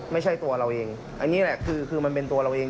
ไม่ใช่ตัวเราเองอันนี้แหละคือมันเป็นตัวเราเอง